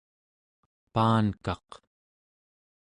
paankaq